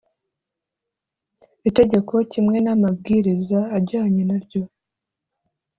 Itegeko kimwe n amabwiriza ajyanye na ryo